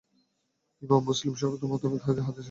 ইমাম মুসলিমের শর্ত মোতাবেক এ হাদীসের সনদ সহীহ।